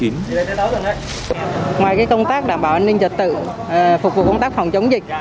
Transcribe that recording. ngoài công tác đảm bảo an ninh trật tự phục vụ công tác phòng chống dịch